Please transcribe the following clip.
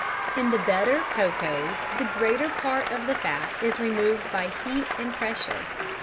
in the better cocoas the greater part of the fat is removed by heat and pressure.